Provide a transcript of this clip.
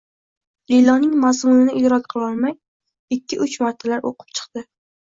E`lonning mazmunini idrok qilolmay, ikki-uch martalab o`qib chiqdi